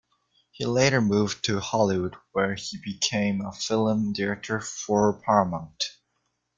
He later moved to Hollywood, where he became a film director for Paramount.